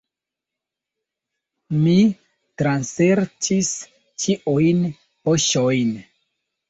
Mi traserĉis ĉiujn poŝojn.